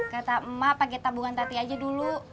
kata emak pakai tabungan tati aja dulu